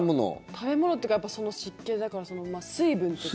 食べ物っていうか湿気だから、水分とか？